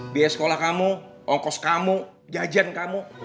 biaya sekolah kamu ongkos kamu jajan kamu